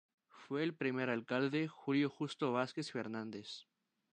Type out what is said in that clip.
Fue el primer Alcalde Julio Justo Vásquez Fernandez.